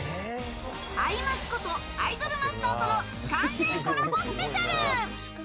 「アイマス」こと「アイドルマスター」との完全コラボスペシャル！